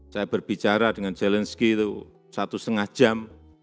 saya berbicara dengan zelensky itu satu setengah jam